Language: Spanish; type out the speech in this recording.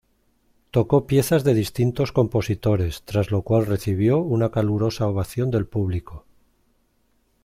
Tocó piezas de distintos compositores, tras lo cual recibió una calurosa ovación del público.